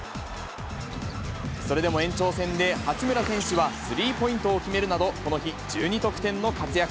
それでも延長戦で八村選手はスリーポイントを決めるなど、この日１２得点の活躍。